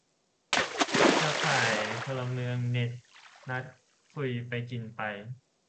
เครือข่ายพลเมืองเน็ต นัดคุยไปกินไป